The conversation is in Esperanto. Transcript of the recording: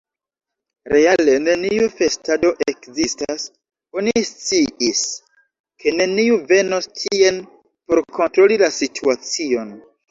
Reale neniu festado ekzistas: oni sciis, ke neniu venos tien por kontroli la situacion.